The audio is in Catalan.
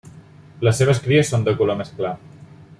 Les seves cries són de color més clar.